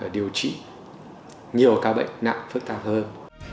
điều trị nhiều các bệnh nặng phức tạp hơn